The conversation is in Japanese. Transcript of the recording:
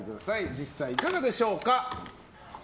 実際、いかがでしょうか？